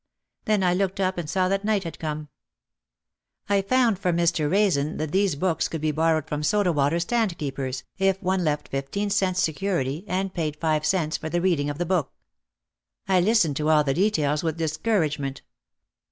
Then I looked up and saw that night had come. I found from Mr. Raisen that these books could be borrowed from soda water stand keepers, if one left fifteen cents security and paid five cents for the reading of the book. I listened to all the details with discourage ment.